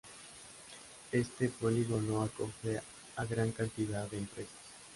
Este polígono acoge a gran cantidad de empresas.